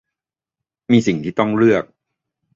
มีสิ่งที่ต้องเลือก